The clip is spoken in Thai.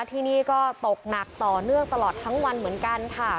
ที่นี่ก็ตกหนักต่อเนื่องตลอดทั้งวันเหมือนกันค่ะ